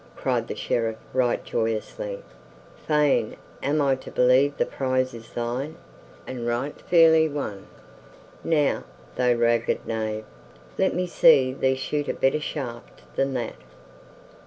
cried the Sheriff right joyously. "Fain am I to believe the prize is thine, and right fairly won. Now, thou ragged knave, let me see thee shoot a better shaft than that."